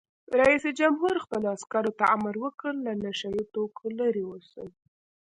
رئیس جمهور خپلو عسکرو ته امر وکړ؛ له نشه یي توکو لرې اوسئ!